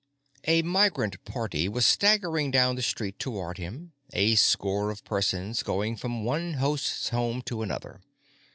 A migrant party was staggering down the street toward him, a score of persons going from one host's home to another.